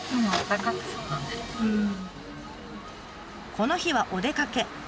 この日はお出かけ。